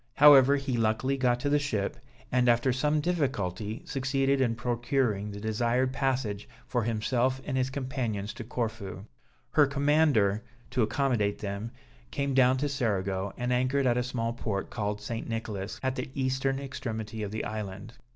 However, he luckily got to the ship, and after some difficulty, succeeded in procuring the desired passage for himself and his companions to Corfu. Her commander, to accommodate them, came down to Cerigo, and anchored at a small port called St. Nicholas, at the eastern extremity of the island.